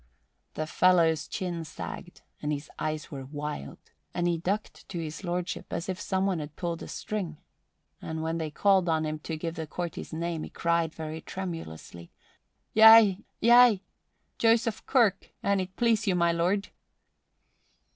The fellow's chin sagged and his eyes were wild and he ducked to His Lordship as if some one had pulled a string; and when they called on him to give the Court his name he cried very tremulously, "Yea, yea! Joseph Kirk, an it please you, my lord!"